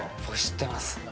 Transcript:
僕知ってます